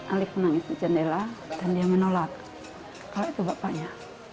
alif menangis di jendela dan dia menolak kalau itu bapaknya